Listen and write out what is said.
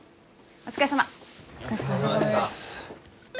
お疲れさまです。